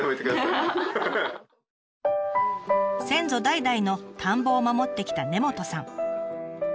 先祖代々の田んぼを守ってきた根本さん。